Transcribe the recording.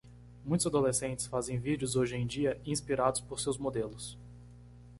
Muitos adolescentes fazem vídeos hoje em dia inspirados por seus modelos.